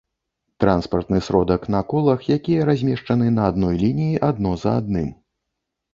транспартны сродак на колах, якія размешчаны на адной лініі адно за адным